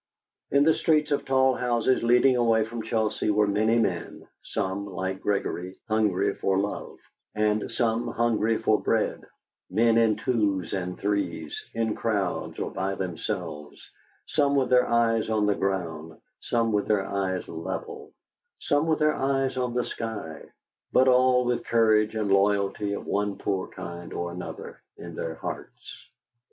In the streets of tall houses leading away from Chelsea were many men, some, like Gregory, hungry for love, and some hungry for bread men in twos and threes, in crowds, or by themselves, some with their eyes on the ground, some with their eyes level, some with their eyes on the sky, but all with courage and loyalty of one poor kind or another in their hearts.